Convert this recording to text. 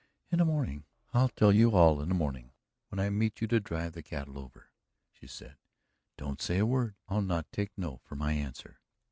"In the morning, I'll tell you all in the morning when I meet you to drive the cattle over," she said. "Don't say a word I'll not take no for my answer."